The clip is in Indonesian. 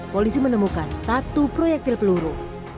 polisi menemukan satu proyektil peluru